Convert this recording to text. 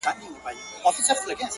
چې شیدا او حمزه لولو